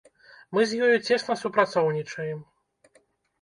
Мы з ёю цесна супрацоўнічаем.